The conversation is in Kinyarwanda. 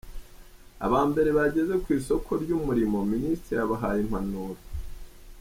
Abambere bageze ku isoko ry’umurimo, Minisitiri yabahaye Impanuro.